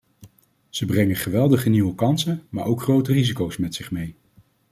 Ze brengen geweldige nieuwe kansen maar ook grote risico's met zich mee.